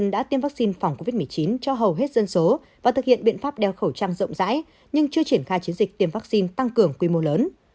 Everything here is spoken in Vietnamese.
đã tiêm vaccine phòng covid một mươi chín cho hầu hết dân số và thực hiện biện pháp đeo khẩu trang rộng rãi nhưng chưa triển khai chiến dịch tiêm vaccine tăng cường quy mô lớn